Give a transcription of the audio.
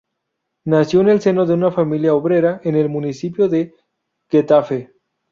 Nació en el seno de una familia obrera en el municipio de Getafe.